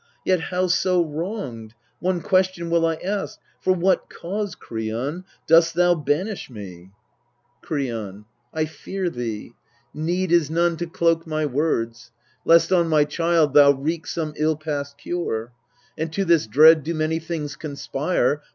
Yet, howso wronged, one question will 1 ask For what cause, Kreon, dost thou banish me? MEDEA 253 Kreon. I fear thee need is none to cloak my words Lest on my child thou wreak some ill past cure. And to this dread do many things conspire.